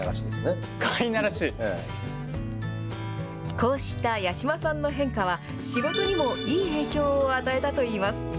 こうした八嶋さんの変化は仕事にもいい影響を与えたといいます。